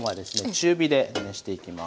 中火で熱していきます。